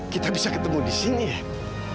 kita bisa ketemu di sini ya